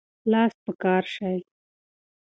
لاس په کار شئ.